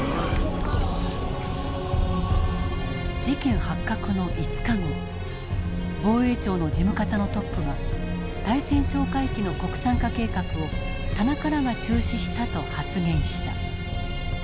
事件発覚の５日後防衛庁の事務方のトップが対潜哨戒機の国産化計画を田中らが中止したと発言した。